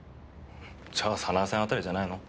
じゃあ早苗さん辺りじゃないの？